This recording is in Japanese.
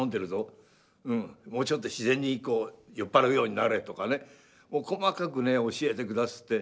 もうちょっと自然に酔っ払うようになれ」とかねもう細かくね教えてくだすって。